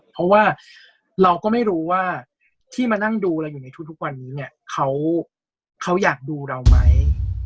เพราะว่าเราก็ไม่รู้ว่าที่มานั่งดูเราอยู่ในทุกวันนี้เนี่ยเขาอยากดูเราไหม